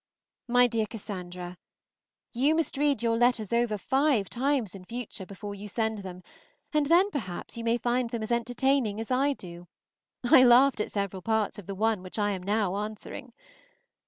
MY DEAR CASSANDRA, You must read your letters over five times in future before you send them, and then, perhaps, you may find them as entertaining as I do. I laughed at several parts of the one which I am now answering.